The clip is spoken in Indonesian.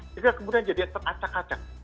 sehingga kemudian jadi teracak acak